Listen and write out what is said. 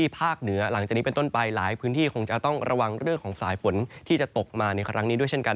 พื้นที่คงจะต้องระวังเรื่องของสายฝนที่จะตกมาในครั้งนี้ด้วยเช่นกัน